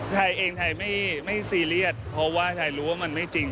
ชายเองไทยไม่ซีเรียสเพราะว่าชายรู้ว่ามันไม่จริง